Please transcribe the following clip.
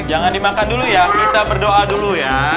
jangan dimakan dulu ya kita berdoa dulu ya